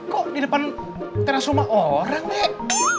kok di depan teras rumah orang deh